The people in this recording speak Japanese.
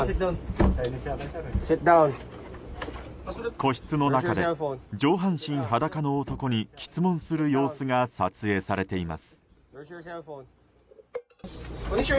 個室の中で、上半身裸の男に詰問する様子が撮影されています。